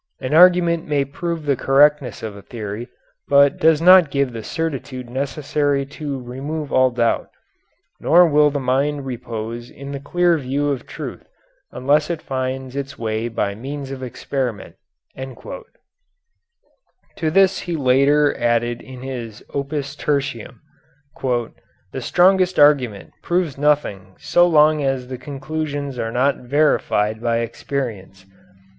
An argument may prove the correctness of a theory, but does not give the certitude necessary to remove all doubt, nor will the mind repose in the clear view of truth unless it finds its way by means of experiment." To this he later added in his "Opus Tertium": "The strongest argument proves nothing so long as the conclusions are not verified by experience.